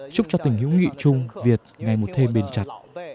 chúc cho tình hữu nghị chung việt ngày một thêm bền chặt